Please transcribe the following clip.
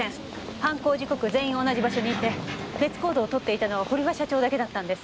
犯行時刻全員同じ場所にいて別行動をとっていたのは堀場社長だけだったんです。